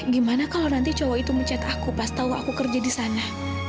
gimana kalau nanti cowok itu mencetak aku pas tau aku kerja di sana